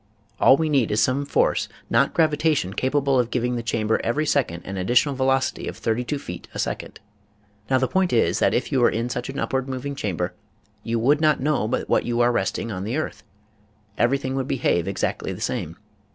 All we need is some force, not gravitation, capable of giving the chamber every second an additional velocity of thirty two feet a second. Now the point is that if you were in such an upward moving chamber you would not know but what you were resting on the earth. Everything would behave exactly the same.